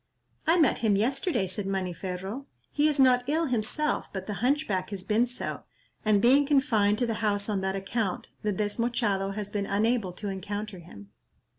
"I met him yesterday," said Maniferro. "He is not ill himself, but the Hunchback has been so, and being confined to the house on that account, the Desmochado has been unable to encounter him."